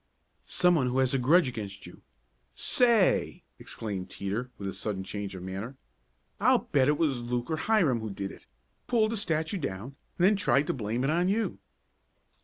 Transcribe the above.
"Some one who has a grudge against you Say!" exclaimed Teeter with a sudden change of manner. "I'll bet it was Luke or Hiram who did it pulled the statue down and then tried to blame it on you."